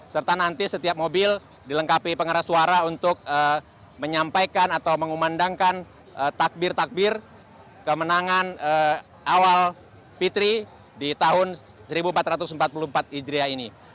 serta nanti setiap mobil dilengkapi pengeras suara untuk menyampaikan atau mengumandangkan takbir takbir kemenangan awal fitri di tahun seribu empat ratus empat puluh empat hijriah ini